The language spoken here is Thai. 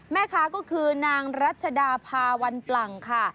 แม่ค้าก็คือนางรัชดาพาวันปลั่งค่ะ